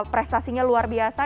prestasinya luar biasa